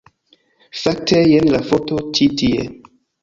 Fakte, jen la foto ĉi tie